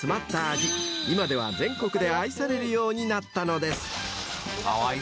［今では全国で愛されるようになったのです］